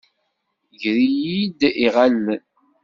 Ger-iyi-d iɣallen.